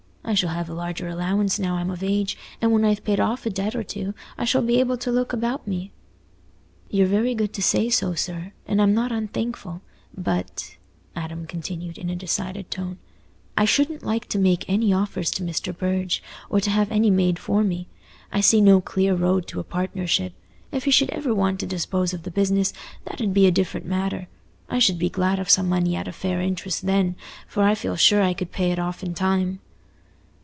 I shall have a larger allowance now I'm of age; and when I've paid off a debt or two, I shall be able to look about me." "You're very good to say so, sir, and I'm not unthankful. But"—Adam continued, in a decided tone—"I shouldn't like to make any offers to Mr. Burge, or t' have any made for me. I see no clear road to a partnership. If he should ever want to dispose of the business, that 'ud be a different matter. I should be glad of some money at a fair interest then, for I feel sure I could pay it off in time."